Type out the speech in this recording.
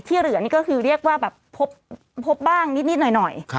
เหลือนี่ก็คือเรียกว่าแบบพบบ้างนิดหน่อย